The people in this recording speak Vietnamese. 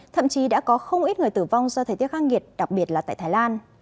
thậm chí đã có không ít người tử vong do thời tiết khắc nghiệt đặc biệt là tại thái lan